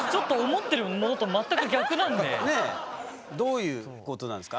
どういうことなんですか？